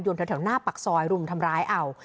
แถวหน้าปากซอยรุมทำร้ายเอา